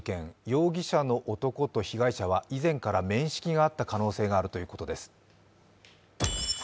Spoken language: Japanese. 容疑者の男と被害者は以前から面識があった可能性があるということです。